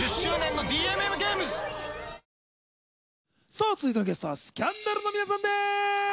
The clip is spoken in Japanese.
さあ続いてのゲストはＳＣＡＮＤＡＬの皆さんです！